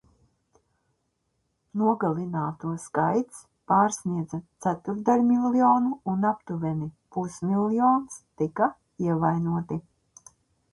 Nogalināto skaits pārsniedza ceturtdaļmiljonu un aptuveni pusmiljons tika ievainoti.